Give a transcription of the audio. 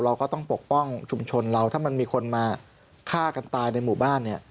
เราก็ต้องปกป้องชุมชนเราถ้ามันมีคนมาฆ่ากันตายในหมู่บ้านเนี่ย